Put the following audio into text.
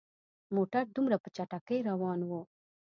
موټر دومره په چټکۍ روان وو.